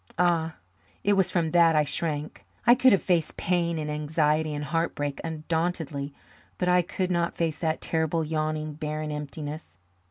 Ah, it was from that I shrank. I could have faced pain and anxiety and heartbreak undauntedly, but I could not face that terrible, yawning, barren emptiness.